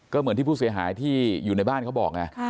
ก็เหมือนที่ผู้เสียหายที่อยู่ในบ้านเขาบอกไง